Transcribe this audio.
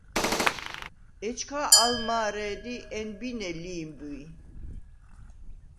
ეჩქა ალ მა̄რე̄დი̄ ენბინე ლი̄მბვი: